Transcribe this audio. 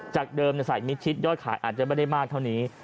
จากเดิมใส่มิดชิดยอดขายอาจจะไม่ได้มากเท่านี้